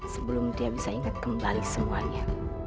sebelum dia bisa ingat kembali semuanya